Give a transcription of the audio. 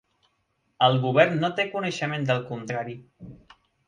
El govern no té coneixement del contrari.